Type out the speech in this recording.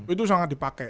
itu sangat dipakai